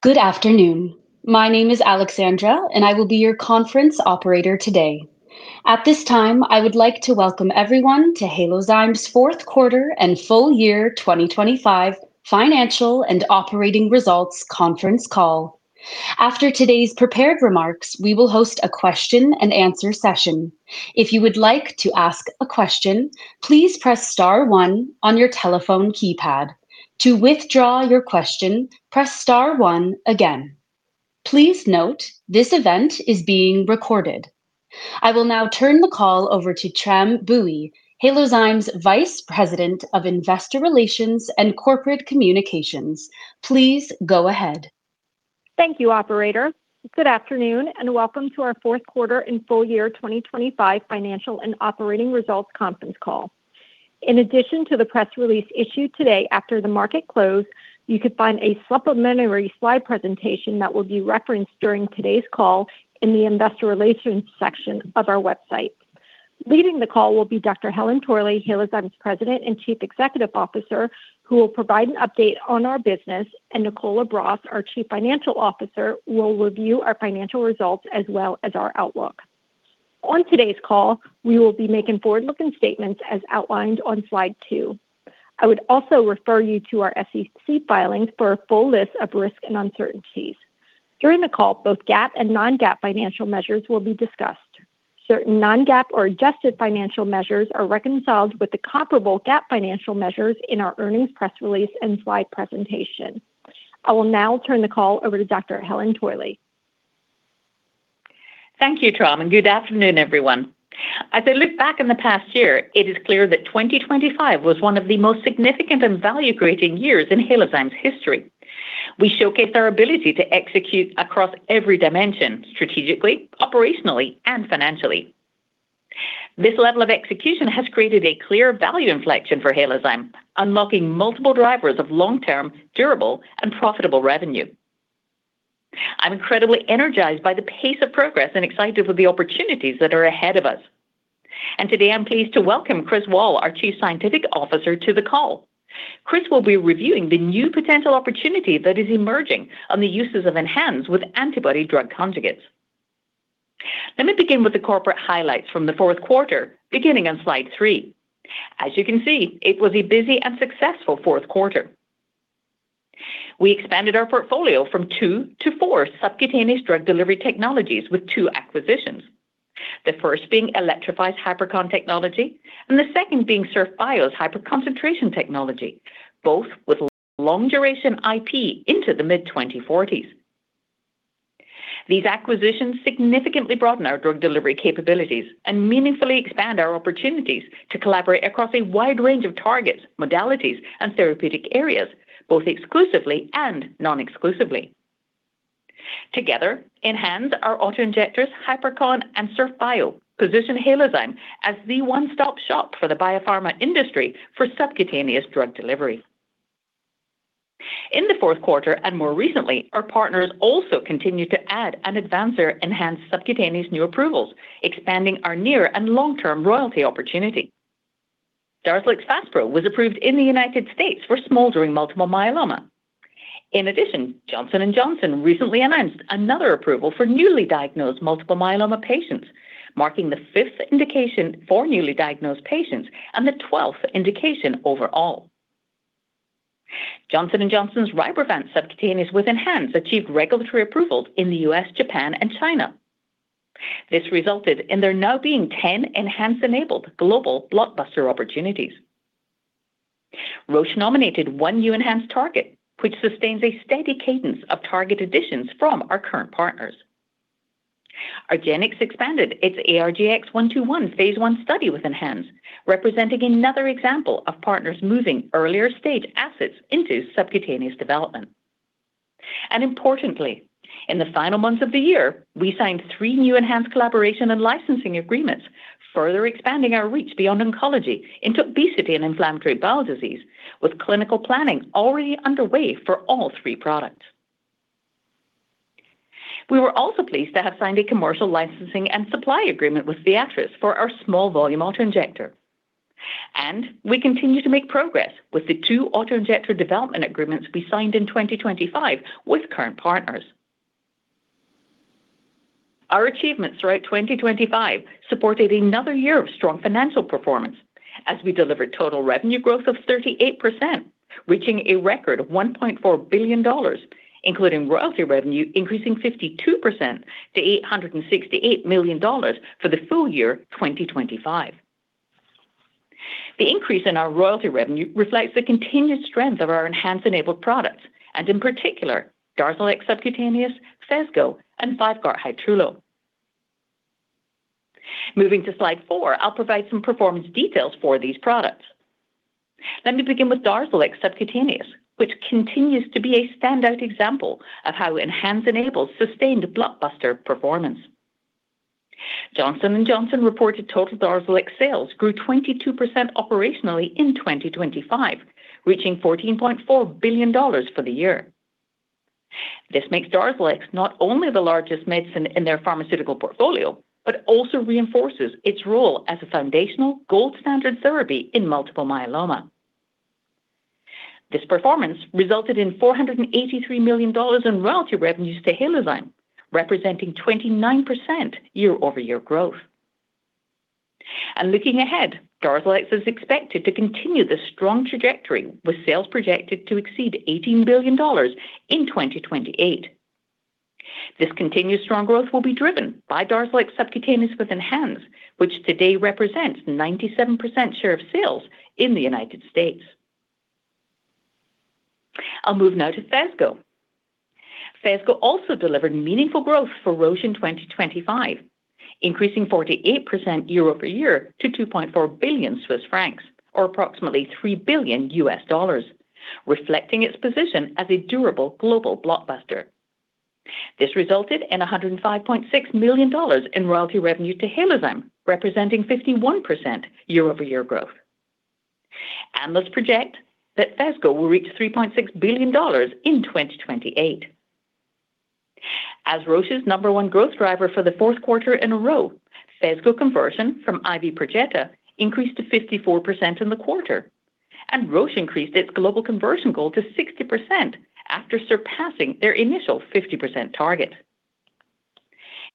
Good afternoon. My name is Alexandra, and I will be your conference operator today. At this time, I would like to welcome everyone to Halozyme's fourth quarter and full-year 2025 financial and operating results conference call. After today's prepared remarks, we will host a question and answer session. If you would like to ask a question, please press star one on your telephone keypad. To withdraw your question, press star one again. Please note, this event is being recorded. I will now turn the call over to Tram Bui, Halozyme's Vice President of Investor Relations and Corporate Communications. Please go ahead. Thank you, operator. Good afternoon, and welcome to our fourth quarter and full-year 2025 financial and operating results conference call. In addition to the press release issued today after the market closed, you can find a supplementary slide presentation that will be referenced during today's call in the investor relations section of our website. Leading the call will be Dr. Helen Torley, Halozyme's President and Chief Executive Officer, who will provide an update on our business, and Nicole LaBrosse, our Chief Financial Officer, will review our financial results as well as our outlook. On today's call, we will be making forward-looking statements as outlined on slide two. I would also refer you to our SEC filings for a full list of risks and uncertainties. During the call, both GAAP and non-GAAP financial measures will be discussed. Certain non-GAAP or adjusted financial measures are reconciled with the comparable GAAP financial measures in our earnings press release and slide presentation. I will now turn the call over to Dr. Helen Torley. Thank you, Tram, and good afternoon, everyone. As I look back on the past year, it is clear that 2025 was one of the most significant and value-creating years in Halozyme's history. We showcased our ability to execute across every dimension strategically, operationally, and financially. This level of execution has created a clear value inflection for Halozyme, unlocking multiple drivers of long-term, durable, and profitable revenue. I'm incredibly energized by the pace of progress and excited for the opportunities that are ahead of us. And today, I'm pleased to welcome Chris Wahl, our Chief Scientific Officer, to the call. Chris will be reviewing the new potential opportunity that is emerging on the uses of ENHANZE with antibody drug conjugates. Let me begin with the corporate highlights from the fourth quarter, beginning on slide three. As you can see, it was a busy and successful fourth quarter. We expanded our portfolio from two to four subcutaneous drug delivery technologies with two acquisitions. The first being Elektrofi's Hypercon technology, and the second being Surf Bio's hyperconcentration technology, both with long-duration IP into the mid-2040s. These acquisitions significantly broaden our drug delivery capabilities and meaningfully expand our opportunities to collaborate across a wide range of targets, modalities, and therapeutic areas, both exclusively and non-exclusively. Together, ENHANZE, our auto-injectors, Hypercon and Surf Bio, position Halozyme as the one-stop shop for the biopharma industry for subcutaneous drug delivery. In the fourth quarter and more recently, our partners also continued to add and advance our ENHANZE subcutaneous new approvals, expanding our near and long-term royalty opportunity. DARZALEX Faspro was approved in the United States for smoldering multiple myeloma. In addition, Johnson & Johnson recently announced another approval for newly diagnosed multiple myeloma patients, marking the fifth indication for newly diagnosed patients and the twelfth indication overall. Johnson & Johnson's RYBREVANT subcutaneous with ENHANZE achieved regulatory approvals in the U.S., Japan, and China. This resulted in there now being 10 ENHANZE-enabled global blockbuster opportunities. Roche nominated one new ENHANZE target, which sustains a steady cadence of target additions from our current partners. argenx expanded its ARGX-121 phase I study with ENHANZE, representing another example of partners moving earlier-stage assets into subcutaneous development. Importantly, in the final months of the year, we signed three new ENHANZE collaboration and licensing agreements, further expanding our reach beyond oncology into obesity and inflammatory bowel disease, with clinical planning already underway for all three products. We were also pleased to have signed a commercial licensing and supply agreement with Viatris for our small volume auto-injector. We continue to make progress with the two auto-injector development agreements we signed in 2025 with current partners. Our achievements throughout 2025 supported another year of strong financial performance as we delivered total revenue growth of 38%, reaching a record $1.4 billion, including royalty revenue, increasing 52% to $868 million for the full-year 2025. The increase in our royalty revenue reflects the continued strength of our ENHANZE-enabled products and in particular, DARZALEX Subcutaneous, Phesgo, and VYVGART Hytrulo. Moving to slide four, I'll provide some performance details for these products. Let me begin with DARZALEX Subcutaneous, which continues to be a standout example of how ENHANZE enables sustained blockbuster performance. Johnson & Johnson reported total DARZALEX sales grew 22% operationally in 2025, reaching $14.4 billion for the year. This makes DARZALEX not only the largest medicine in their pharmaceutical portfolio, but also reinforces its role as a foundational gold-standard therapy in multiple myeloma. This performance resulted in $483 million in royalty revenues to Halozyme, representing 29% year-over-year growth. And looking ahead, DARZALEX is expected to continue the strong trajectory, with sales projected to exceed $18 billion in 2028. This continued strong growth will be driven by DARZALEX subcutaneous with ENHANZE, which today represents 97% share of sales in the United States. I'll move now to Phesgo. Phesgo also delivered meaningful growth for Roche in 2025, increasing 48% year-over-year to 2.4 billion Swiss francs, or approximately $3 billion, reflecting its position as a durable global blockbuster. This resulted in $105.6 million in royalty revenue to Halozyme, representing 51% year-over-year growth. Analysts project that Phesgo will reach CHF 3.6 billion in 2028. As Roche's number one growth driver for the fourth quarter in a row, Phesgo conversion from IV Perjeta increased to 54% in the quarter, and Roche increased its global conversion goal to 60% after surpassing their initial 50% target.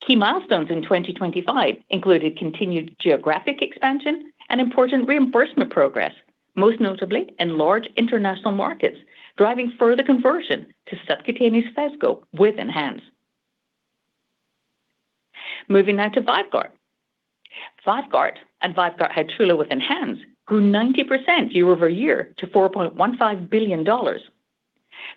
Key milestones in 2025 included continued geographic expansion and important reimbursement progress, most notably in large international markets, driving further conversion to subcutaneous Phesgo with ENHANZE. Moving now to VYVGART. VYVGART and VYVGART Hytrulo with ENHANZE grew 90% year-over-year to $4.15 billion.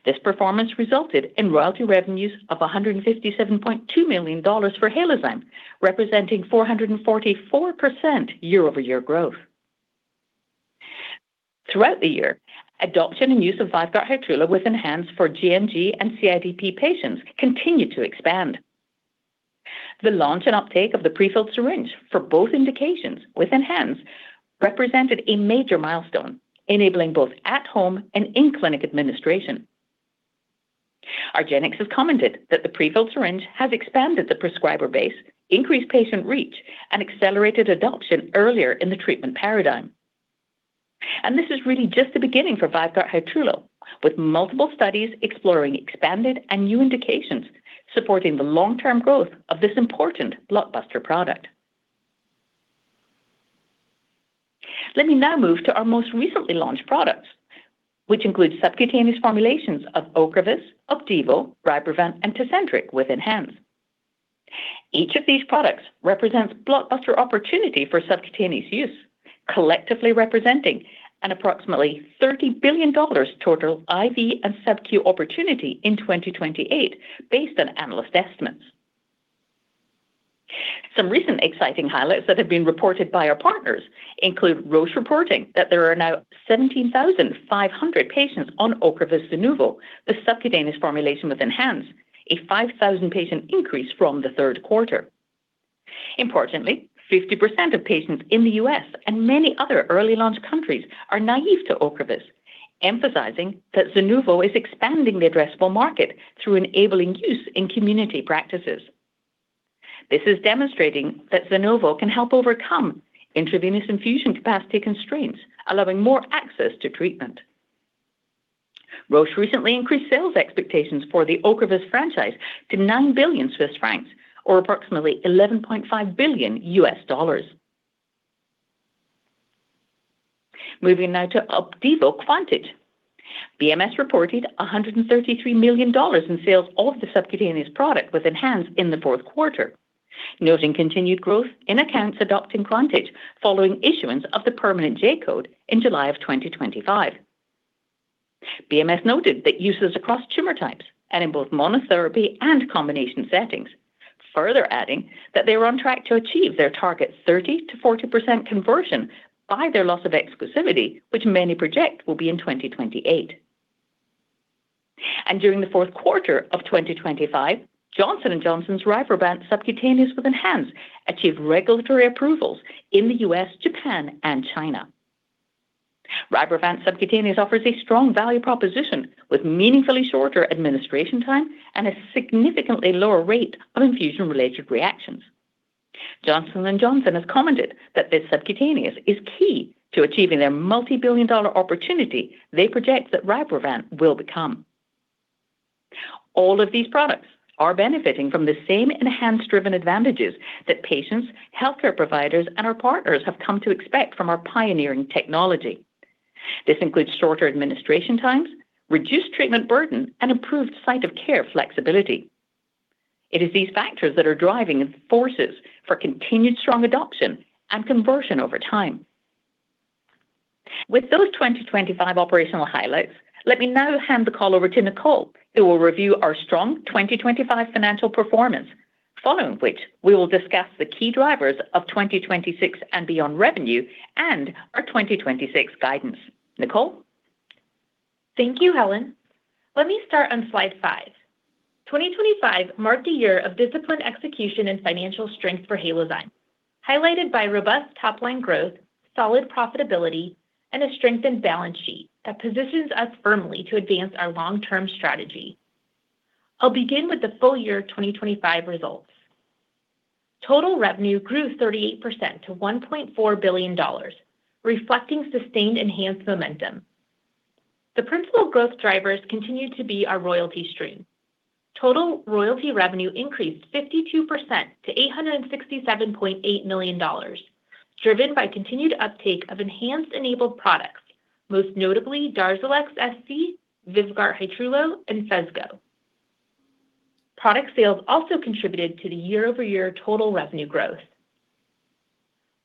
This performance resulted in royalty revenues of $157.2 million for Halozyme, representing 444% year-over-year growth. Throughout the year, adoption and use of VYVGART Hytrulo with ENHANZE for gMG and CIDP patients continued to expand. The launch and uptake of the prefilled syringe for both indications with ENHANZE represented a major milestone, enabling both at-home and in-clinic administration. argenx has commented that the prefilled syringe has expanded the prescriber base, increased patient reach, and accelerated adoption earlier in the treatment paradigm. This is really just the beginning for VYVGART Hytrulo, with multiple studies exploring expanded and new indications, supporting the long-term growth of this important blockbuster product. Let me now move to our most recently launched products, which include subcutaneous formulations of Ocrevus, Opdivo, RYBREVANT, and Tecentriq with ENHANZE. Each of these products represents blockbuster opportunity for subcutaneous use, collectively representing an approximately $30 billion total IV and subQ opportunity in 2028, based on analyst estimates. Some recent exciting highlights that have been reported by our partners include Roche reporting that there are now 17,500 patients on Ocrevus Zunovo, the subcutaneous formulation with ENHANZE, a 5,000 patient increase from the third quarter. Importantly, 50% of patients in the U.S. and many other early-launch countries are naive to Ocrevus, emphasizing that Zunovo is expanding the addressable market through enabling use in community practices. This is demonstrating that Zunovo can help overcome intravenous infusion capacity constraints, allowing more access to treatment. Roche recently increased sales expectations for the Ocrevus franchise to 9 billion Swiss francs, or approximately $11.5 billion. Moving now to Opdivo Qvantig. BMS reported $133 million in sales of the subcutaneous product with ENHANZE in the fourth quarter, noting continued growth in accounts adopting Qvantig following issuance of the permanent J-code in July 2025. BMS noted that usage across tumor types and in both monotherapy and combination settings, further adding that they were on track to achieve their target 30%-40% conversion by their loss of exclusivity, which many project will be in 2028. During the fourth quarter of 2025, Johnson & Johnson's RYBREVANT subcutaneous with ENHANZE achieved regulatory approvals in the U.S., Japan, and China. RYBREVANT subcutaneous offers a strong value proposition with meaningfully shorter administration time and a significantly lower rate of infusion-related reactions. Johnson & Johnson has commented that this subcutaneous is key to achieving their multi-billion-dollar opportunity they project that RYBREVANT will become. All of these products are benefiting from the same ENHANZE-driven advantages that patients, healthcare providers, and our partners have come to expect from our pioneering technology. This includes shorter administration times, reduced treatment burden, and improved site of care flexibility. It is these factors that are driving the forces for continued strong adoption and conversion over time. With those 2025 operational highlights, let me now hand the call over to Nicole, who will review our strong 2025 financial performance, following which we will discuss the key drivers of 2026 and beyond revenue and our 2026 guidance. Nicole? Thank you, Helen. Let me start on slide five. 2025 marked a year of disciplined execution and financial strength for Halozyme, highlighted by robust top-line growth, solid profitability, and a strengthened balance sheet that positions us firmly to advance our long-term strategy. I'll begin with the full-year 2025 results... Total revenue grew 38% to $1.4 billion, reflecting sustained ENHANZE momentum. The principal growth drivers continued to be our royalty stream. Total royalty revenue increased 52% to $867.8 million, driven by continued uptake of ENHANZE-enabled products, most notably DARZALEX SC, VYVGART, Hytrulo, and Phesgo. Product sales also contributed to the year-over-year total revenue growth.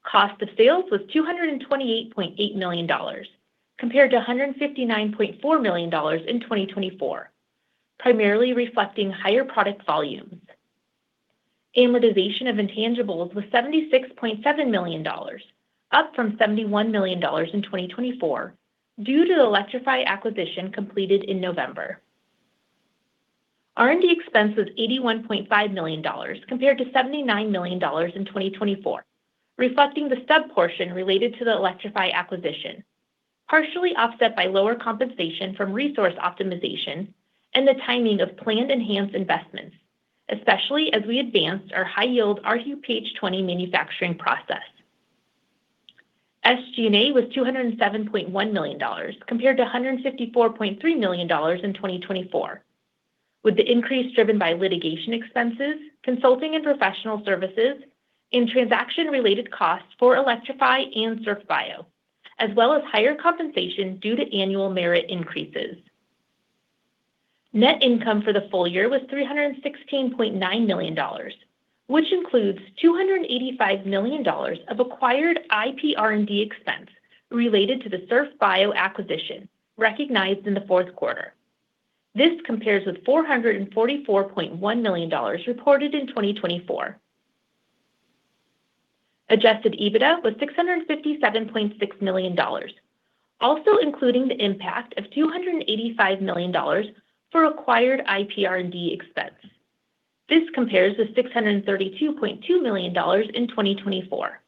Cost of sales was $228.8 million, compared to $159.4 million in 2024, primarily reflecting higher product volumes. Amortization of intangibles was $76.7 million, up from $71 million in 2024, due to the Elektrofi acquisition completed in November. R&D expense was $81.5 million, compared to $79 million in 2024, reflecting the stub portion related to the Elektrofi acquisition, partially offset by lower compensation from resource optimization and the timing of planned enhanced investments, especially as we advanced our high-yield rHuPH20 manufacturing process. SG&A was $207.1 million, compared to $154.3 million in 2024, with the increase driven by litigation expenses, consulting and professional services, and transaction-related costs for Elektrofi and Surf Bio, as well as higher compensation due to annual merit increases. Net income for the full-year was $316.9 million, which includes $285 million of acquired IP R&D expense related to the Surf Bio acquisition recognized in the fourth quarter. This compares with $444.1 million reported in 2024. Adjusted EBITDA was $657.6 million, also including the impact of $285 million for acquired IP R&D expense. This compares to $632.2 million in 2024.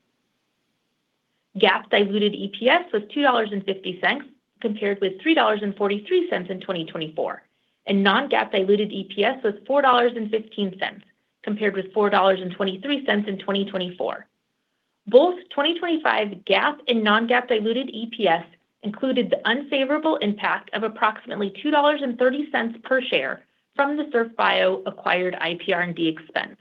GAAP diluted EPS was $2.50, compared with $3.43 in 2024, and non-GAAP diluted EPS was $4.15, compared with $4.23 in 2024. Both 2025 GAAP and non-GAAP diluted EPS included the unfavorable impact of approximately $2.30 per share from the Surf Bio acquired IP R&D expense.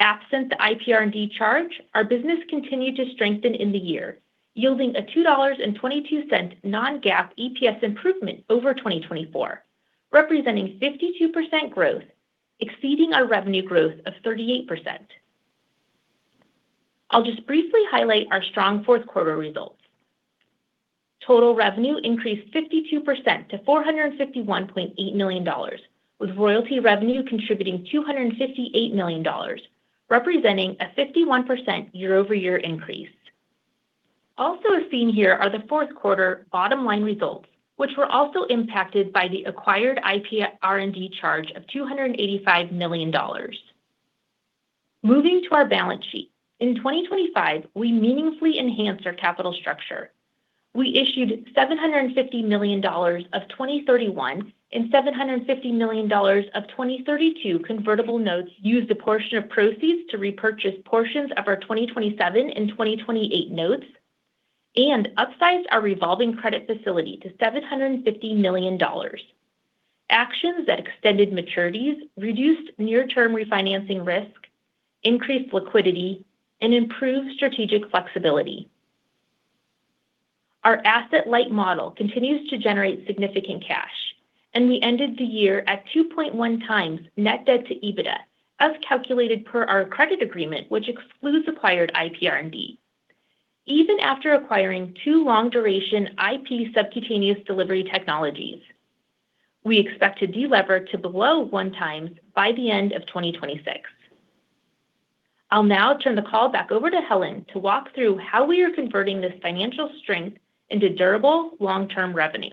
Absent the IP R&D charge, our business continued to strengthen in the year, yielding a $2.22 non-GAAP EPS improvement over 2024, representing 52% growth, exceeding our revenue growth of 38%. I'll just briefly highlight our strong fourth quarter results. Total revenue increased 52% to $451.8 million, with royalty revenue contributing $258 million, representing a 51% year-over-year increase. Also as seen here are the fourth quarter bottom line results, which were also impacted by the acquired IP R&D charge of $285 million. Moving to our balance sheet, in 2025, we meaningfully enhanced our capital structure. We issued $750 million of 2031 and $750 million of 2032 convertible notes, used a portion of proceeds to repurchase portions of our 2027 and 2028 notes, and upsized our revolving credit facility to $750 million. Actions that extended maturities, reduced near-term refinancing risk, increased liquidity, and improved strategic flexibility. Our asset-light model continues to generate significant cash, and we ended the year at 2.1x net debt to EBITDA, as calculated per our credit agreement, which excludes acquired IP R&D. Even after acquiring two long-duration IP subcutaneous delivery technologies, we expect to delever to below 1x by the end of 2026. I'll now turn the call back over to Helen to walk through how we are converting this financial strength into durable long-term revenue.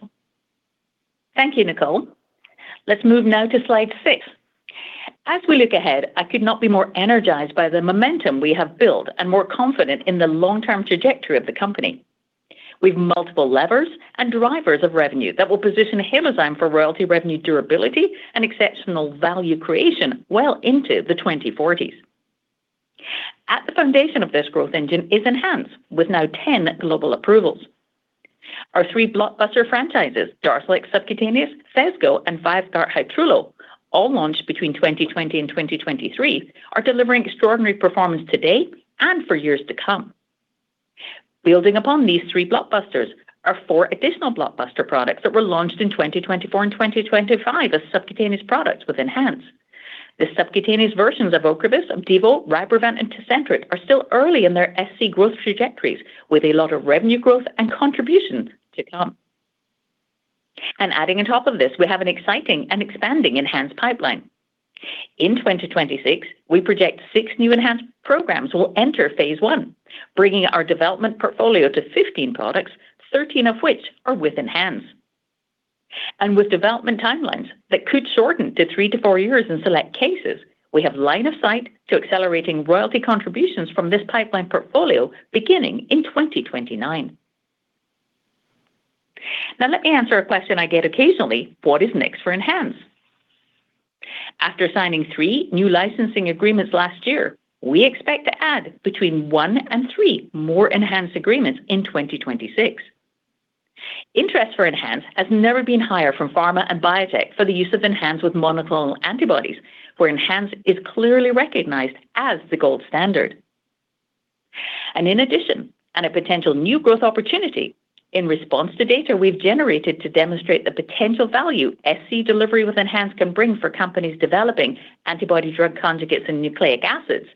Thank you, Nicole. Let's move now to slide six. As we look ahead, I could not be more energized by the momentum we have built and more confident in the long-term trajectory of the company. We've multiple levers and drivers of revenue that will position Halozyme for royalty revenue durability and exceptional value creation well into the 2040s. At the foundation of this growth engine is ENHANZE with now 10 global approvals. Our three blockbuster franchises, DARZALEX Subcutaneous, Phesgo, and VYVGART Hytrulo, all launched between 2020 and 2023, are delivering extraordinary performance today and for years to come. Building upon these three blockbusters are four additional blockbuster products that were launched in 2024 and 2025 as subcutaneous products with ENHANZE. The subcutaneous versions of Ocrevus, Opdivo, RYBREVANT, and Tecentriq are still early in their SC growth trajectories, with a lot of revenue growth and contributions to come. Adding on top of this, we have an exciting and expanding ENHANZE pipeline. In 2026, we project six new ENHANZE programs will enter phase I, bringing our development portfolio to 15 products, 13 of which are with ENHANZE. With development timelines that could shorten to three to four years in select cases, we have line of sight to accelerating royalty contributions from this pipeline portfolio beginning in 2029. Now, let me answer a question I get occasionally: What is next for ENHANZE? After signing three new licensing agreements last year, we expect to add between one and three more ENHANZE agreements in 2026. Interest for ENHANZE has never been higher from pharma and biotech for the use of ENHANZE with monoclonal antibodies, where ENHANZE is clearly recognized as the gold standard. In addition, and a potential new growth opportunity, in response to data we've generated to demonstrate the potential value SC delivery with ENHANZE can bring for companies developing antibody drug conjugates and nucleic acids,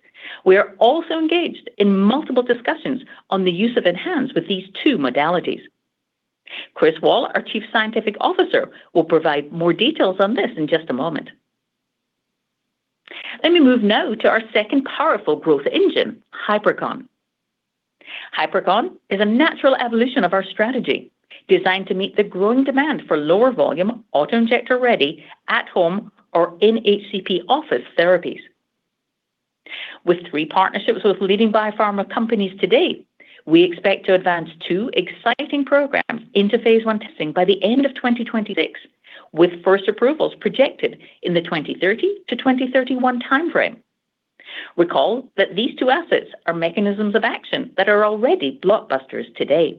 we are also engaged in multiple discussions on the use of ENHANZE with these two modalities. Chris Wahl, our Chief Scientific Officer, will provide more details on this in just a moment. Let me move now to our second powerful growth engine, Hypercon. Hypercon is a natural evolution of our strategy, designed to meet the growing demand for lower volume, auto-injector-ready, at-home or in-HCP office therapies. With three partnerships with leading biopharma companies to date, we expect to advance two exciting programs into phase I testing by the end of 2026, with first approvals projected in the 2030-2031 timeframe. Recall that these two assets are mechanisms of action that are already blockbusters today.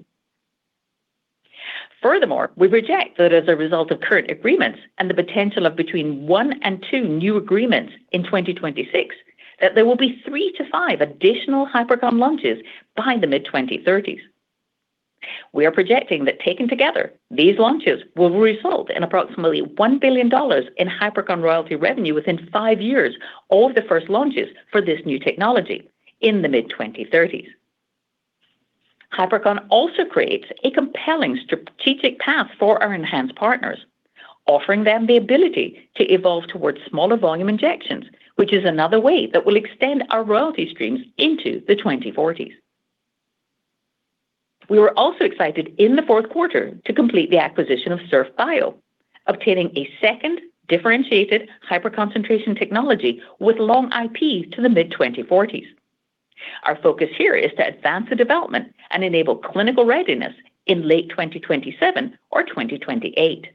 Furthermore, we project that as a result of current agreements and the potential of between one and two new agreements in 2026, that there will be three to five additional Hypercon launches by the mid-2030s. We are projecting that taken together, these launches will result in approximately $1 billion in Hypercon royalty revenue within five years of the first launches for this new technology in the mid-2030s. Hypercon also creates a compelling strategic path for our ENHANZE partners, offering them the ability to evolve towards smaller volume injections, which is another way that will extend our royalty streams into the 2040s. We were also excited in the fourth quarter to complete the acquisition of Surf Bio, obtaining a second differentiated hyperconcentration technology with long IP to the mid-2040s. Our focus here is to advance the development and enable clinical readiness in late 2027 or 2028.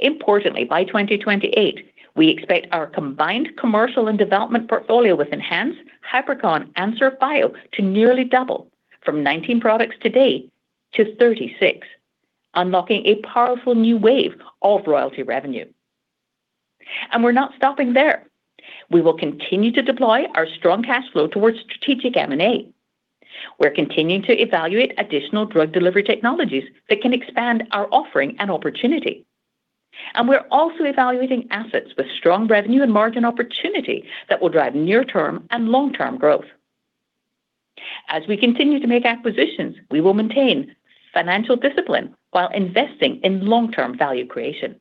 Importantly, by 2028, we expect our combined commercial and development portfolio with ENHANZE, Hypercon, and Surf Bio to nearly double from 19 products today to 36, unlocking a powerful new wave of royalty revenue. We're not stopping there. We will continue to deploy our strong cash flow towards strategic M&A. We're continuing to evaluate additional drug delivery technologies that can expand our offering and opportunity. We're also evaluating assets with strong revenue and margin opportunity that will drive near-term and long-term growth. As we continue to make acquisitions, we will maintain financial discipline while investing in long-term value creation.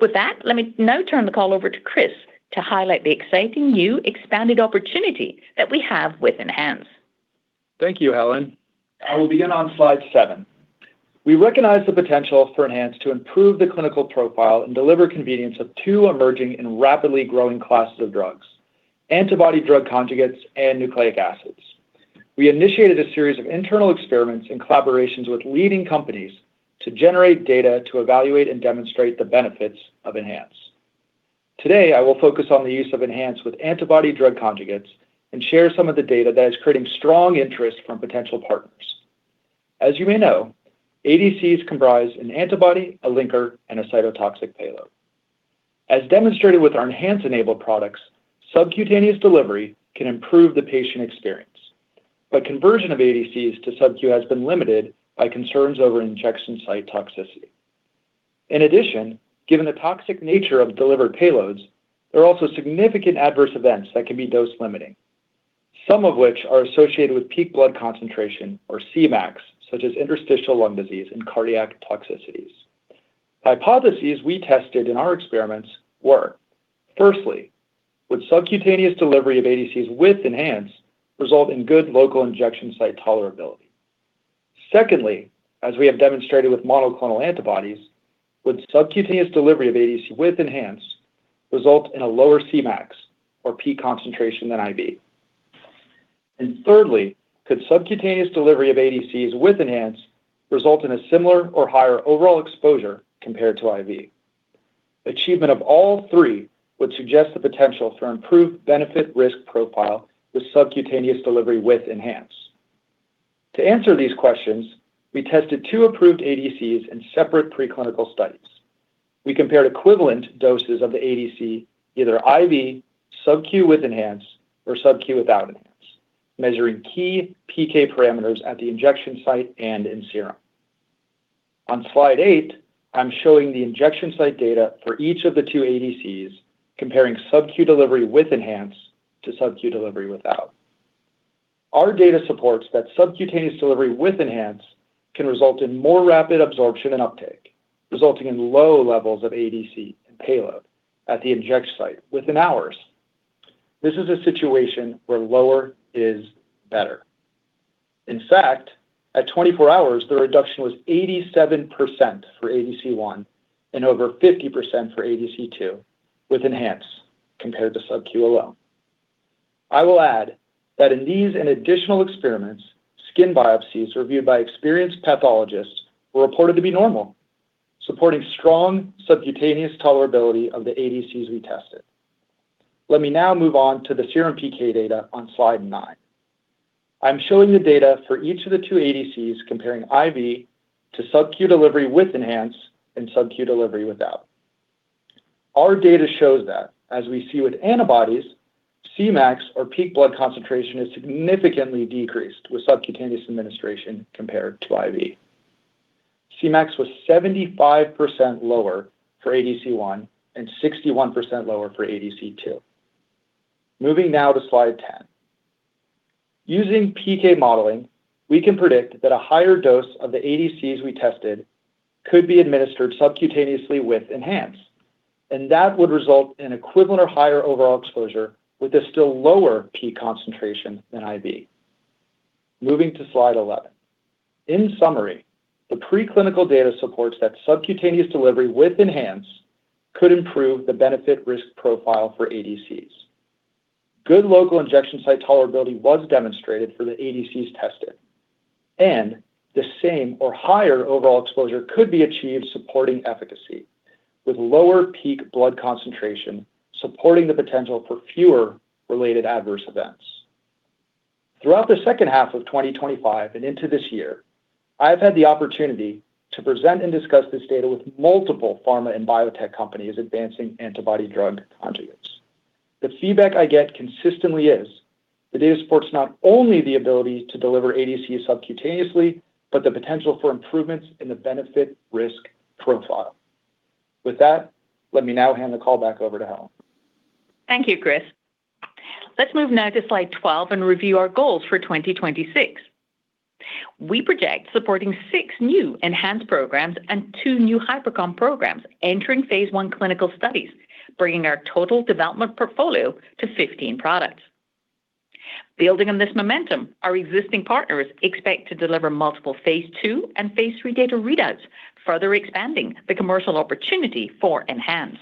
With that, let me now turn the call over to Chris to highlight the exciting new expanded opportunity that we have with ENHANZE. Thank you, Helen. I will begin on slide seven. We recognize the potential for ENHANZE to improve the clinical profile and deliver convenience of two emerging and rapidly growing classes of drugs, antibody drug conjugates, and nucleic acids. We initiated a series of internal experiments in collaborations with leading companies to generate data to evaluate and demonstrate the benefits of ENHANZE. Today, I will focus on the use of ENHANZE with antibody drug conjugates and share some of the data that is creating strong interest from potential partners. As you may know, ADCs comprise an antibody, a linker, and a cytotoxic payload. As demonstrated with our ENHANZE-enabled products, subcutaneous delivery can improve the patient experience, but conversion of ADCs to subQ has been limited by concerns over injection site toxicity. In addition, given the toxic nature of delivered payloads, there are also significant adverse events that can be dose-limiting, some of which are associated with peak blood concentration or Cmax, such as interstitial lung disease and cardiac toxicities. Hypotheses we tested in our experiments were, firstly, would subcutaneous delivery of ADCs with ENHANZE result in good local injection site tolerability? Secondly, as we have demonstrated with monoclonal antibodies, would subcutaneous delivery of ADCs with ENHANZE result in a lower Cmax or peak concentration than IV? And thirdly, could subcutaneous delivery of ADCs with ENHANZE result in a similar or higher overall exposure compared to IV? Achievement of all three would suggest the potential for improved benefit-risk profile with subcutaneous delivery with ENHANZE. To answer these questions, we tested two approved ADCs in separate preclinical studies. We compared equivalent doses of the ADC, either IV, subQ with ENHANZE, or subQ without ENHANZE, measuring key PK parameters at the injection site and in serum. On slide eight, I'm showing the injection site data for each of the two ADCs, comparing subQ delivery with ENHANZE to subQ delivery without. Our data supports that subcutaneous delivery with ENHANZE can result in more rapid absorption and uptake, resulting in low levels of ADC and payload at the injection site within hours. This is a situation where lower is better. In fact, at 24 hours, the reduction was 87% for ADC 1 and over 50% for ADC 2 with ENHANZE compared to subQ alone. I will add that in these and additional experiments, skin biopsies reviewed by experienced pathologists were reported to be normal, supporting strong subcutaneous tolerability of the ADCs we tested. Let me now move on to the serum PK data on slide nine. I'm showing the data for each of the two ADCs, comparing IV to subQ delivery with ENHANZE and subQ delivery without. Our data shows that as we see with antibodies, Cmax or peak blood concentration is significantly decreased with subcutaneous administration compared to IV. Cmax was 75% lower for ADC 1 and 61% lower for ADC 2. Moving now to slide 10. Using PK modeling, we can predict that a higher dose of the ADCs we tested could be administered subcutaneously with ENHANZE, and that would result in equivalent or higher overall exposure with a still lower peak concentration than IV. Moving to slide 11. In summary, the preclinical data supports that subcutaneous delivery with ENHANZE could improve the benefit-risk profile for ADCs. Good local injection site tolerability was demonstrated for the ADCs tested, and the same or higher overall exposure could be achieved supporting efficacy, with lower peak blood concentration, supporting the potential for fewer related adverse events. Throughout the second half of 2025 and into this year, I've had the opportunity to present and discuss this data with multiple pharma and biotech companies advancing antibody drug conjugates. The feedback I get consistently is the data supports not only the ability to deliver ADCs subcutaneously, but the potential for improvements in the benefit-risk profile. With that, let me now hand the call back over to Helen. Thank you, Chris. Let's move now to slide 12 and review our goals for 2026. We project supporting six new ENHANZE programs and two new Hypercon programs entering phase I clinical studies, bringing our total development portfolio to 15 products. Building on this momentum, our existing partners expect to deliver multiple phase II and phase III data readouts, further expanding the commercial opportunity for ENHANZE.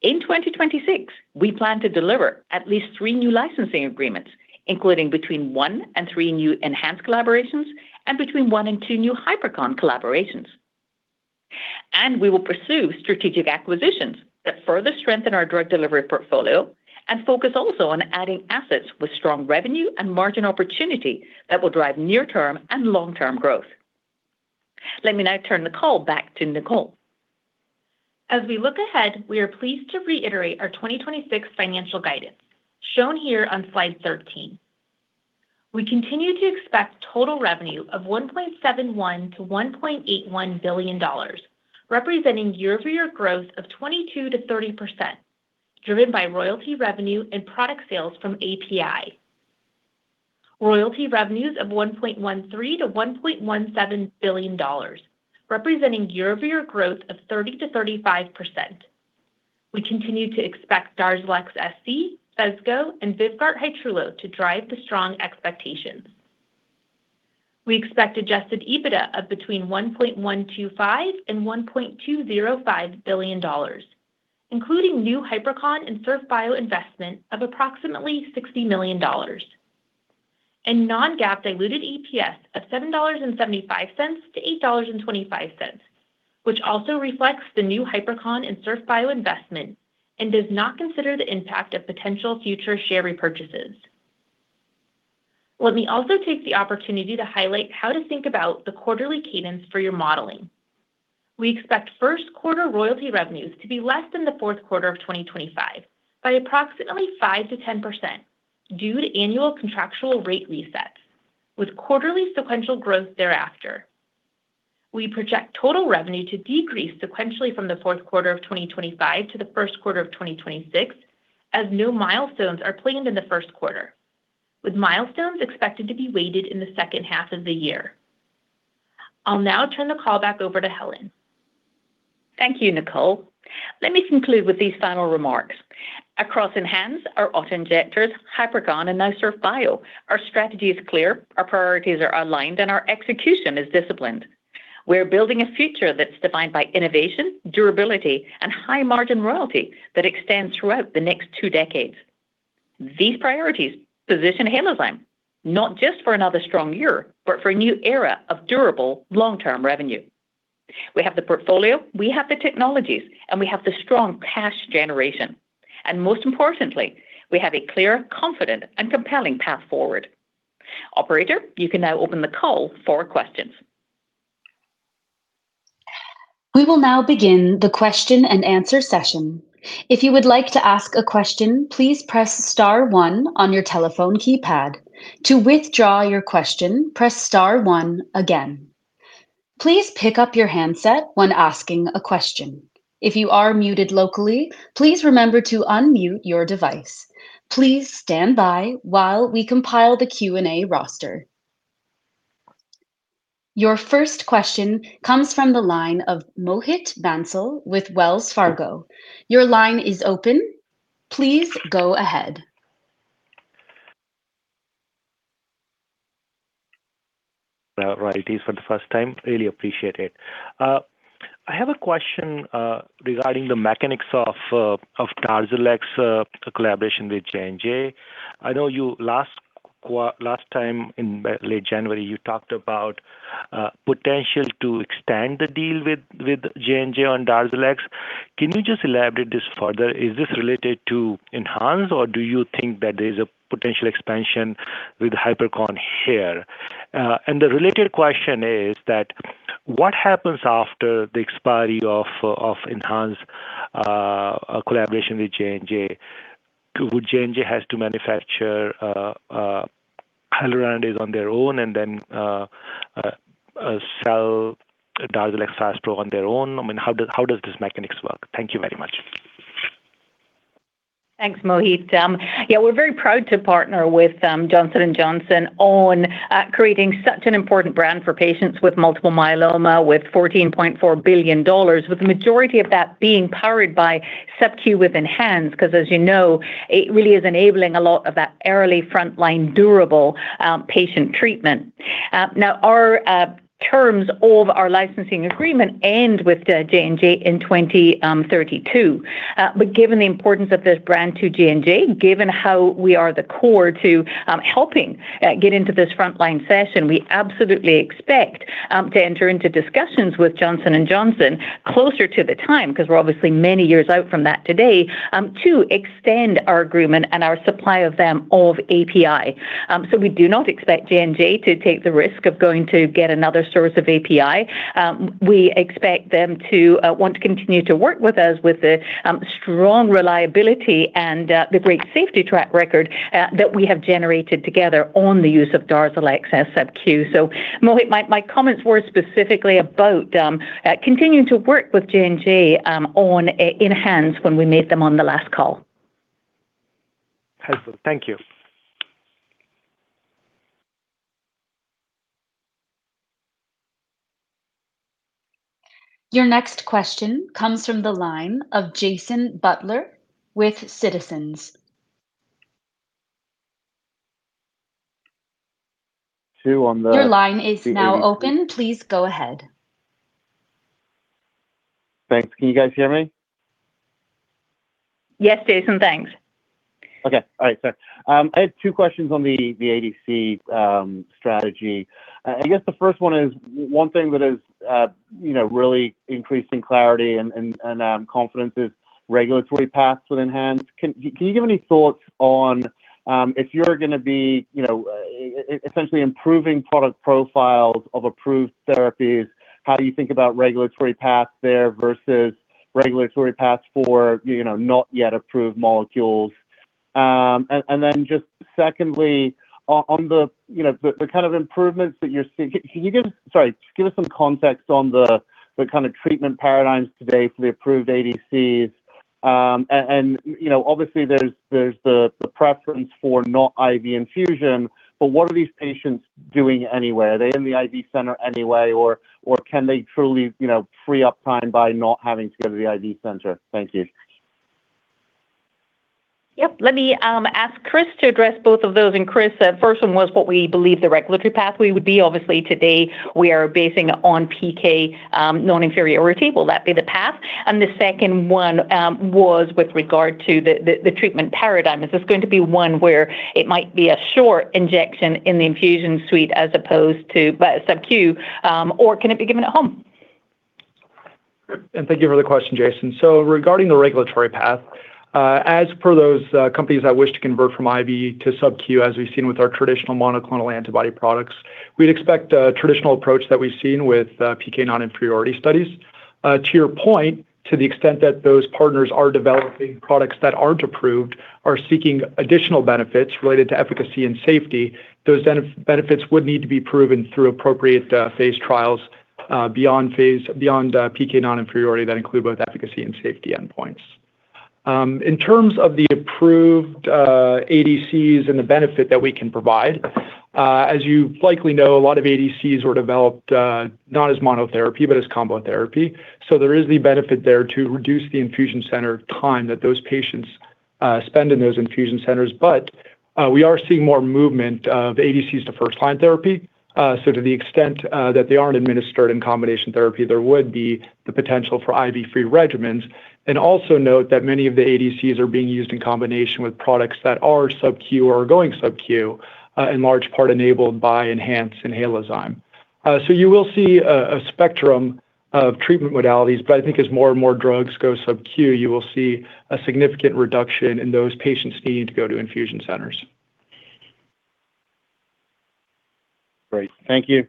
In 2026, we plan to deliver at least three new licensing agreements, including between one and three new ENHANZE collaborations and between one and two new Hypercon collaborations. We will pursue strategic acquisitions that further strengthen our drug delivery portfolio and focus also on adding assets with strong revenue and margin opportunity that will drive near-term and long-term growth. Let me now turn the call back to Nicole. As we look ahead, we are pleased to reiterate our 2026 financial guidance, shown here on slide 13. We continue to expect total revenue of $1.71 billion-$1.81 billion, representing year-over-year growth of 22%-30%, driven by royalty revenue and product sales from API. Royalty revenues of $1.13 billion-$1.17 billion, representing year-over-year growth of 30%-35%. We continue to expect DARZALEX SC, Phesgo, and VYVGART Hytrulo to drive the strong expectations. We expect adjusted EBITDA of between $1.125 billion and $1.205 billion, including new Hypercon and Surf Bio investment of approximately $60 million. A non-GAAP diluted EPS of $7.75-$8.25, which also reflects the new Hypercon and Surf Bio investment and does not consider the impact of potential future share repurchases. Let me also take the opportunity to highlight how to think about the quarterly cadence for your modeling. We expect first quarter royalty revenues to be less than the fourth quarter of 2025 by approximately 5%-10% due to annual contractual rate resets, with quarterly sequential growth thereafter. We project total revenue to decrease sequentially from the fourth quarter of 2025 to the first quarter of 2026, as no milestones are planned in the first quarter, with milestones expected to be weighted in the second half of the year. I'll now turn the call back over to Helen. Thank you, Nicole. Let me conclude with these final remarks. Across ENHANZE, our auto-injectors, Hypercon, and now Surf Bio, our strategy is clear, our priorities are aligned, and our execution is disciplined. We are building a future that's defined by innovation, durability, and high-margin royalty that extends throughout the next two decades. These priorities position Halozyme not just for another strong year, but for a new era of durable, long-term revenue. We have the portfolio, we have the technologies, and we have the strong cash generation. And most importantly, we have a clear, confident, and compelling path forward. Operator, you can now open the call for questions. We will now begin the question-and-answer session. If you would like to ask a question, please press star one on your telephone keypad. To withdraw your question, press star one again. Please pick up your handset when asking a question. If you are muted locally, please remember to unmute your device. Please stand by while we compile the Q&A roster. Your first question comes from the line of Mohit Bansal with Wells Fargo. Your line is open. Please go ahead.... right, it is for the first time. Really appreciate it. I have a question regarding the mechanics of DARZALEX collaboration with J&J. I know you last time in late January, you talked about potential to extend the deal with J&J on DARZALEX. Can you just elaborate this further? Is this related to ENHANZE, or do you think that there's a potential expansion with Hypercon here? And the related question is that what happens after the expiry of ENHANZE collaboration with J&J? Would J&J has to manufacture hyaluronidase on their own and then sell DARZALEX Faspro on their own? I mean, how does this mechanics work? Thank you very much. Thanks, Mohit. Yeah, we're very proud to partner with Johnson & Johnson on creating such an important brand for patients with multiple myeloma, with $14.4 billion, with the majority of that being powered by subQ with ENHANZE. Because, as you know, it really is enabling a lot of that early frontline durable patient treatment. Now, our terms of our licensing agreement end with J&J in 2032. But given the importance of this brand to J&J, given how we are the core to helping get into this frontline session, we absolutely expect to enter into discussions with Johnson & Johnson closer to the time, 'cause we're obviously many years out from that today, to extend our agreement and our supply of them of API. So we do not expect J&J to take the risk of going to get another source of API. We expect them to want to continue to work with us with the strong reliability and the great safety track record that we have generated together on the use of DARZALEX as subQ. So Mohit, my comments were specifically about continuing to work with J&J on ENHANZE when we made them on the last call. Helpful. Thank you. Your next question comes from the line of Jason Butler with Citizens JMP. Two on the- Your line is now open. Please go ahead. Thanks. Can you guys hear me? Yes, Jason, thanks. Okay, all right, sir. I had two questions on the ADC strategy. I guess the first one is one thing that is, you know, really increasing clarity and confidence is regulatory paths within ENHANZE. Can you give any thoughts on, if you're gonna be, you know, essentially improving product profiles of approved therapies, how do you think about regulatory paths there versus regulatory paths for, you know, not yet approved molecules? And then just secondly, on the, you know, the kind of improvements that you're seeing. Can you give... Sorry, just give us some context on the kind of treatment paradigms today for the approved ADCs. And, you know, obviously there's the preference for not IV infusion, but what are these patients doing anyway? Are they in the IV center anyway, or, or can they truly, you know, free up time by not having to go to the IV center? Thank you. Yep. Let me ask Chris to address both of those. And, Chris, first one was what we believe the regulatory pathway would be. Obviously, today we are basing on PK non-inferiority. Will that be the path? And the second one was with regard to the treatment paradigm. Is this going to be one where it might be a short injection in the infusion suite as opposed to, but subQ, or can it be given at home? Thank you for the question, Jason. So regarding the regulatory path, as per those companies that wish to convert from IV to subQ, as we've seen with our traditional monoclonal antibody products, we'd expect a traditional approach that we've seen with PK non-inferiority studies. To your point, to the extent that those partners are developing products that aren't approved, are seeking additional benefits related to efficacy and safety, those benefits would need to be proven through appropriate phase trials beyond PK non-inferiority that include both efficacy and safety endpoints. In terms of the approved ADCs and the benefit that we can provide, as you likely know, a lot of ADCs were developed not as monotherapy, but as combo therapy. There is the benefit there to reduce the infusion center time that those patients spend in those infusion centers. But we are seeing more movement of ADCs to first-line therapy. To the extent that they aren't administered in combination therapy, there would be the potential for IV-free regimens. Also note that many of the ADCs are being used in combination with products that are subQ or are going subQ, in large part enabled by ENHANZE Halozyme. You will see a spectrum of treatment modalities, but I think as more and more drugs go subQ, you will see a significant reduction in those patients needing to go to infusion centers. Great. Thank you.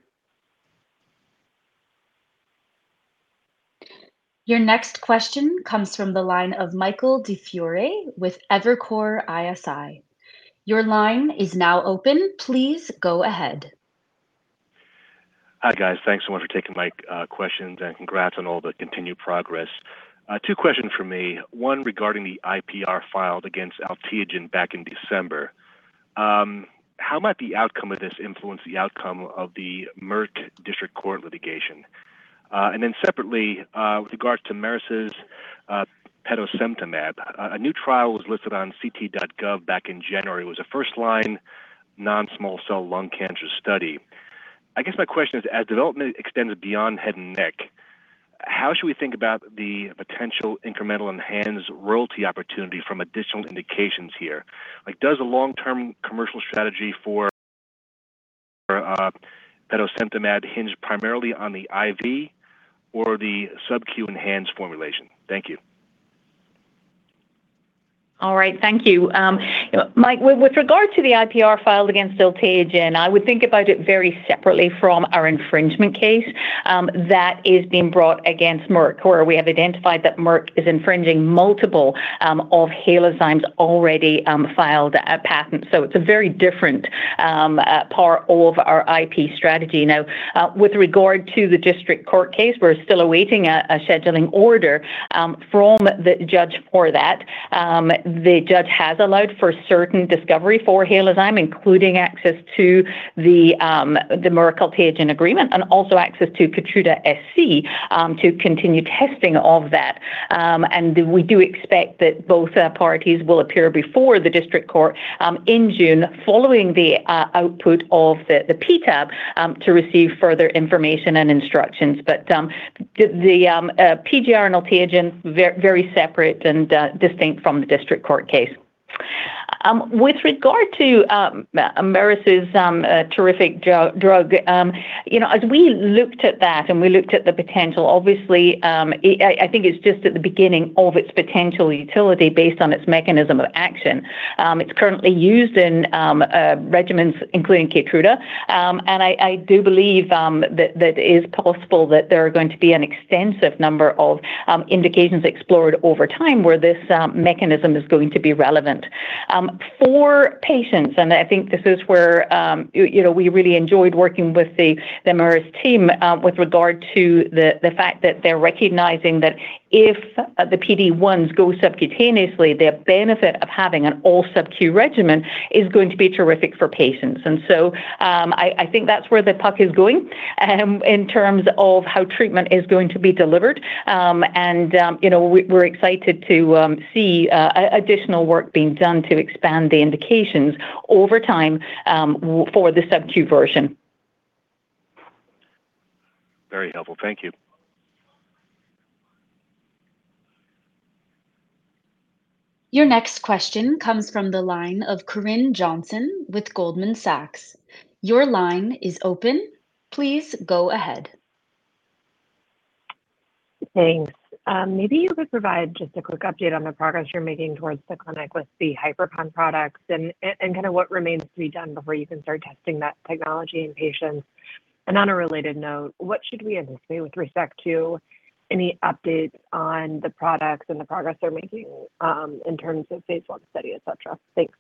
Your next question comes from the line of Michael DiFiore with Evercore ISI. Your line is now open. Please go ahead. Hi, guys. Thanks so much for taking my questions, and congrats on all the continued progress. Two questions from me. One, regarding the IPR filed against Alteogen back in December, how might the outcome of this influence the outcome of the Merck district court litigation? And then separately, with regards to Merus' petosemtamab, a new trial was listed on ct.gov back in January. It was a first-line non-small cell lung cancer study. I guess my question is, as development extends beyond head and neck, how should we think about the potential incremental enhanced royalty opportunity from additional indications here? Like, does a long-term commercial strategy for petosemtamab hinge primarily on the IV or the subQ enhanced formulation? Thank you. All right. Thank you. You know, Mike, with regard to the IPR filed against Alteogen, I would think about it very separately from our infringement case that is being brought against Merck, where we have identified that Merck is infringing multiple of Halozyme's already filed a patent. So it's a very different part of our IP strategy. Now, with regard to the district court case, we're still awaiting a scheduling order from the judge for that. The judge has allowed for certain discovery for Halozyme, including access to the Merck-Alteogen agreement and also access to Keytruda SC to continue testing of that. And we do expect that both parties will appear before the district court in June, following the output of the PTAB to receive further information and instructions. But the PGR and Alteogen, very separate and distinct from the district court case. With regard to Merus' terrific drug, you know, as we looked at that and we looked at the potential, obviously, I think it's just at the beginning of its potential utility based on its mechanism of action. It's currently used in regimens, including Keytruda. And I do believe that it is possible that there are going to be an extensive number of indications explored over time where this mechanism is going to be relevant for patients. I think this is where, you know, we really enjoyed working with the Merus team, with regard to the fact that they're recognizing that if the PD-1s go subcutaneously, the benefit of having an all subQ regimen is going to be terrific for patients. And so, I think that's where the puck is going, in terms of how treatment is going to be delivered. And, you know, we're excited to see additional work being done to expand the indications over time, for the subQ version. Very helpful. Thank you. Your next question comes from the line of Corinne Johnson with Goldman Sachs. Your line is open. Please go ahead. Thanks. Maybe you could provide just a quick update on the progress you're making towards the clinic with the Hypercon products and kinda what remains to be done before you can start testing that technology in patients? And on a related note, what should we anticipate with respect to any updates on the products and the progress they're making in terms of phase I study, et cetera? Thanks.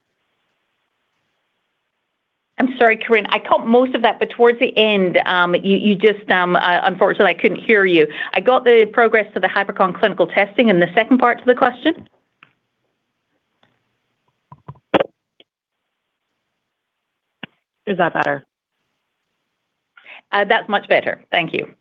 I'm sorry, Corinne, I caught most of that, but towards the end, you just, unfortunately, I couldn't hear you. I got the progress to the Hypercon clinical testing and the second part to the question? Is that better? That's much better. Thank you.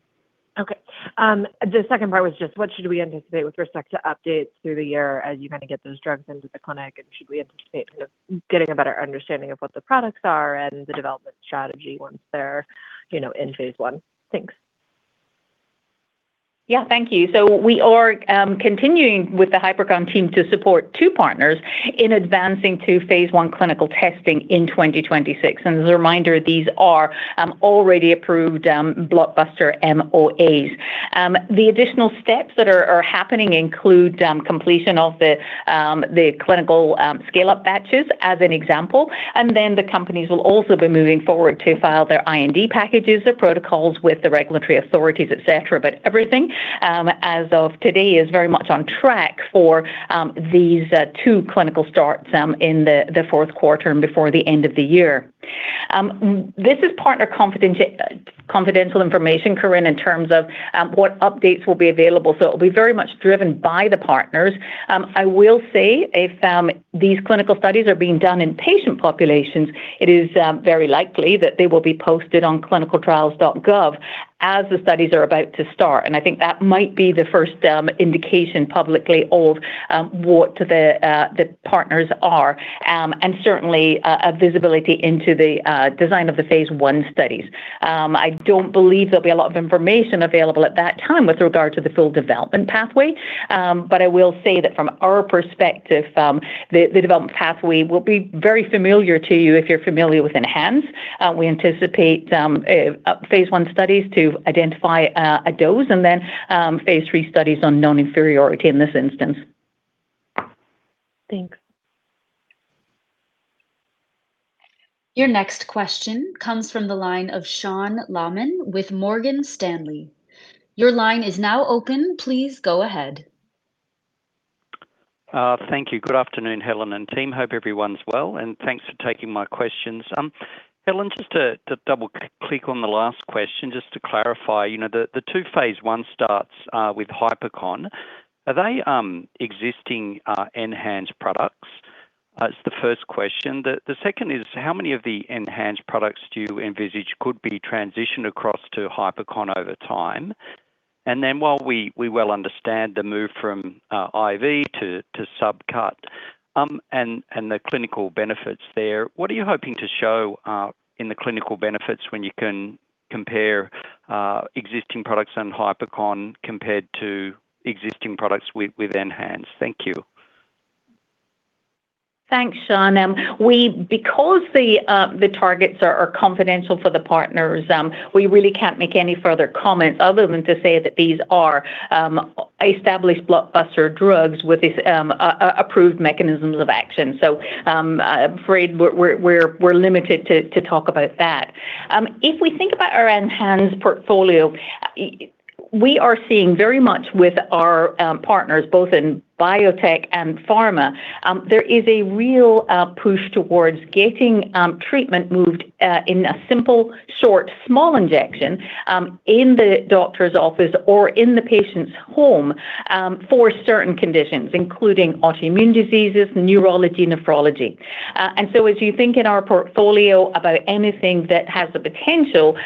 Okay. The second part was just what should we anticipate with respect to updates through the year as you kinda get those drugs into the clinic, and should we anticipate kind of getting a better understanding of what the products are and the development strategy once they're, you know, in phase I? Thanks. Yeah, thank you. So we are continuing with the Hypercon team to support two partners in advancing to phase I clinical testing in 2026. And as a reminder, these are already approved blockbuster MOAs. The additional steps that are happening include completion of the clinical scale-up batches as an example, and then the companies will also be moving forward to file their IND packages, their protocols with the regulatory authorities, et cetera. But everything, as of today, is very much on track for these two clinical starts in the fourth quarter and before the end of the year. This is partner confidential information, Corinne, in terms of what updates will be available, so it'll be very much driven by the partners. I will say if these clinical studies are being done in patient populations, it is very likely that they will be posted on clinicaltrials.gov as the studies are about to start. And I think that might be the first indication publicly of what the partners are, and certainly a visibility into the design of the phase I studies. I don't believe there'll be a lot of information available at that time with regard to the full development pathway. But I will say that from our perspective, the development pathway will be very familiar to you if you're familiar with ENHANZE. We anticipate a phase I study to identify a dose and then phase III studies on non-inferiority in this instance. Thanks. Your next question comes from the line of Sean Laaman with Morgan Stanley. Your line is now open. Please go ahead. Thank you. Good afternoon, Helen and team. Hope everyone's well, and thanks for taking my questions. Helen, just to double-click on the last question, just to clarify, you know, the two phase I starts with Hypercon, are they existing ENHANZE products? That's the first question. The second is, how many of the ENHANZE products do you envisage could be transitioned across to Hypercon over time? And then while we well understand the move from IV to subcut and the clinical benefits there, what are you hoping to show in the clinical benefits when you can compare existing products and Hypercon compared to existing products with ENHANZE? Thank you. Thanks, Sean. Because the targets are confidential for the partners, we really can't make any further comments other than to say that these are established blockbuster drugs with these approved mechanisms of action. So, I'm afraid we're limited to talk about that. If we think about our ENHANZE portfolio, we are seeing very much with our partners, both in biotech and pharma, there is a real push towards getting treatment moved in a simple, short, small injection in the doctor's office or in the patient's home for certain conditions, including autoimmune diseases, neurology, nephrology. So as you think in our portfolio about anything that has the potential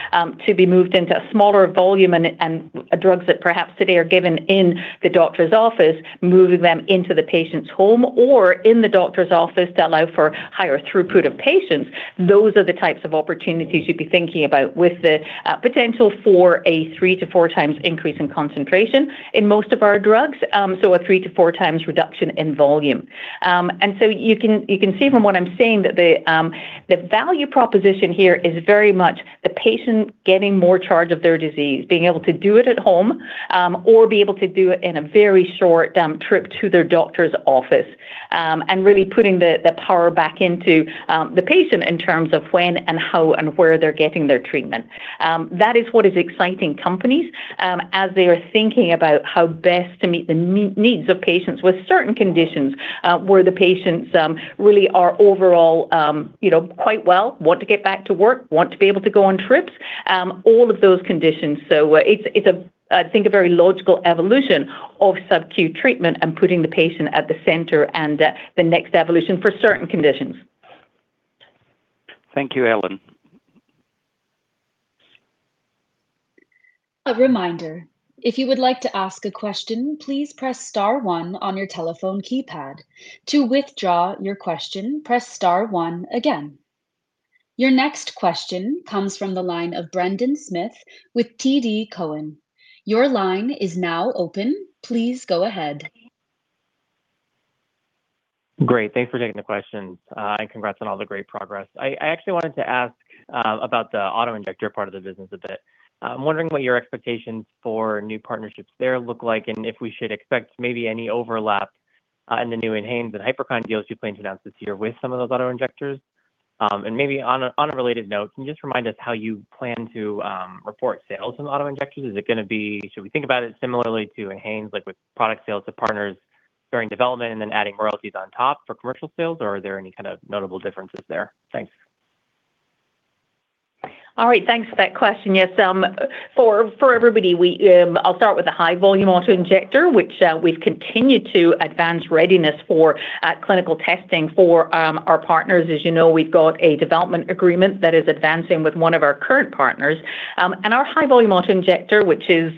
to be moved into a smaller volume and drugs that perhaps today are given in the doctor's office, moving them into the patient's home or in the doctor's office to allow for higher throughput of patients, those are the types of opportunities you'd be thinking about with the potential for a three to four times increase in concentration in most of our drugs, so a three to four times reduction in volume. And so you can see from what I'm saying that the value proposition here is very much the patient getting in charge of their disease, being able to do it at home or be able to do it in a very short trip to their doctor's office. And really putting the power back into the patient in terms of when and how and where they're getting their treatment. That is what is exciting companies as they are thinking about how best to meet the needs of patients with certain conditions, where the patients really are overall, you know, quite well, want to get back to work, want to be able to go on trips, all of those conditions. So, it's a, I think, a very logical evolution of subQ treatment and putting the patient at the center, and the next evolution for certain conditions. Thank you, Helen. A reminder, if you would like to ask a question, please press star one on your telephone keypad. To withdraw your question, press star one again. Your next question comes from the line of Brendan Smith with TD Cowen. Your line is now open. Please go ahead. Great. Thanks for taking the questions, and congrats on all the great progress. I actually wanted to ask about the auto-injector part of the business a bit. I'm wondering what your expectations for new partnerships there look like, and if we should expect maybe any overlap in the new ENHANZE and Hypercon deals you plan to announce this year with some of those auto-injectors. And maybe on a related note, can you just remind us how you plan to report sales in auto-injectors? Is it gonna be... Should we think about it similarly to ENHANZE, like with product sales to partners during development and then adding royalties on top for commercial sales, or are there any kind of notable differences there? Thanks. All right. Thanks for that question. Yes, for everybody, I'll start with the high volume auto-injector, which we've continued to advance readiness for clinical testing for our partners. As you know, we've got a development agreement that is advancing with one of our current partners. Our high volume auto-injector, which is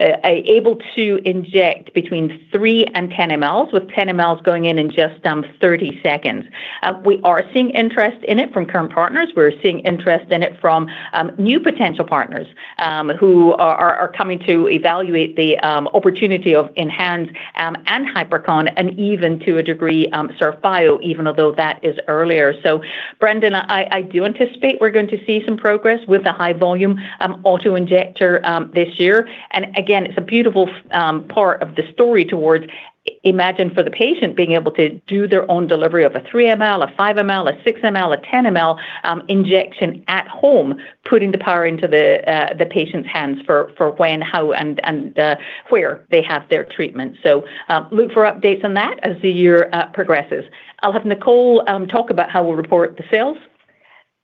able to inject between 3 and 10 mL, with 10 mL going in in just 30 seconds. We are seeing interest in it from current partners. We're seeing interest in it from new potential partners, who are coming to evaluate the opportunity of ENHANZE, and Hypercon, and even to a degree, Surf Bio, even although that is earlier. So Brendan, I do anticipate we're going to see some progress with the high volume auto-injector this year. And again, it's a beautiful part of the story towards imagine for the patient being able to do their own delivery of a 3 mL, a 5 mL, a 6 mL, a 10 mL injection at home, putting the power into the patient's hands for when, how, and where they have their treatment. So look for updates on that as the year progresses. I'll have Nicole talk about how we'll report the sales.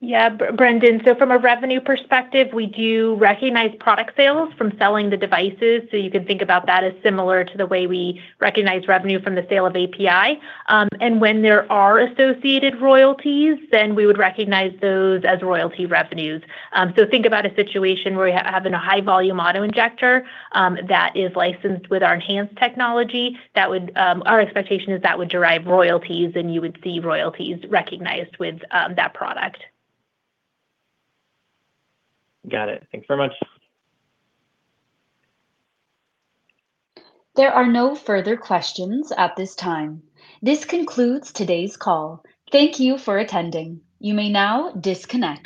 Yeah, Brendan. So from a revenue perspective, we do recognize product sales from selling the devices, so you can think about that as similar to the way we recognize revenue from the sale of API. And when there are associated royalties, then we would recognize those as royalty revenues. So think about a situation where we have a high volume auto-injector, that is licensed with our ENHANZE technology, that would. Our expectation is that would derive royalties, and you would see royalties recognized with, that product. Got it. Thank you very much. There are no further questions at this time. This concludes today's call. Thank you for attending. You may now disconnect.